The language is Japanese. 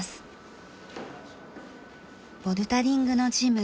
ボルダリングのジム。